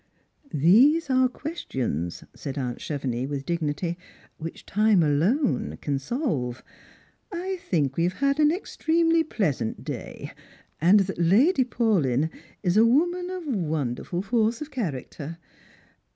" These are questions," said aunt Chevenix, with dignity, "which time alone can solve. I think we have had an extremely pleasant day, and that Lady Paulyn is a woman of wonderful force of character.